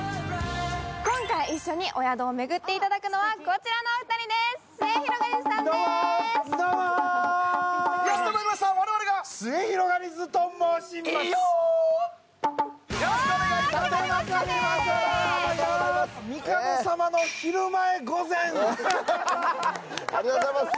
今回、一緒にお宿を巡っていただくのはこちらのお二人です、すゑひろがりずさんです。